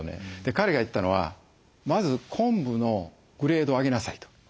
彼が言ったのはまず昆布のグレードを上げなさいと。